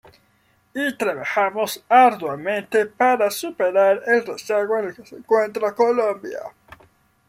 Y trabajamos arduamente para superar el rezago en el que se encuentra Colombia.